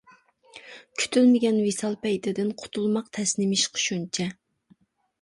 كۈتۈلمىگەن ۋىسال پەيتىدىن، قۇتۇلماق تەس نېمىشقا شۇنچە.